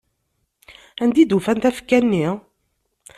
Anda i d-ufan tafekka-nni?